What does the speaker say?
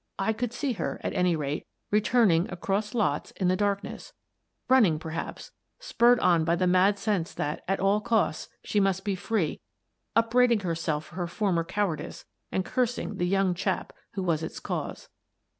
I could see her, at any rate, returning, across lots, in the darkness — run ning, perhaps — spurred on by the mad sense that, at all costs, she must be free, upbraiding herself for her former cowardice and cursing the young chap who was its cause.